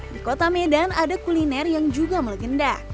di kota medan ada kuliner yang juga melegenda